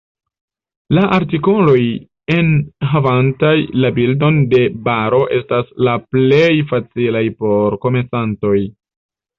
La artikoloj enhavantaj la bildon de baro estas la plej facilaj por komencantoj.